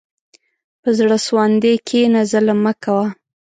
په زړه سواندي کښېنه، ظلم مه کوه.